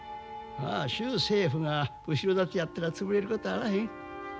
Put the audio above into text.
州政府が後ろ盾やったら潰れることあらへん。